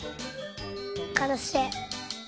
かなしい。